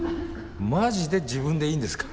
マジで自分でいいんですか？